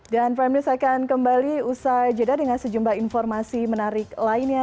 dan prime news akan kembali usai jeda dengan sejumlah informasi menarik lainnya